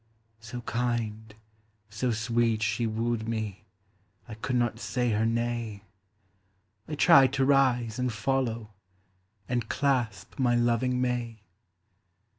So kind, so sweet she wooed me, I could not say her nay; I tried to rise and follow, And clasp my loving may.